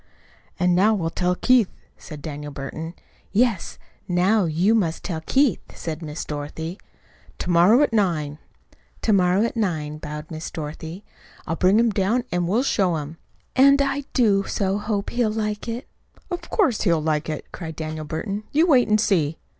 "And now we'll tell Keith," said Daniel Burton. "Yes; now you must tell Keith," said Miss Dorothy. "To morrow at nine." "To morrow at nine," bowed Miss Dorothy. "I'll bring him down and we'll show him." "And I do so hope he'll like it." "Of course, he'll like it!" cried Daniel Burton. "You wait and see."